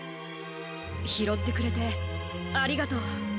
ひろってくれてありがとう。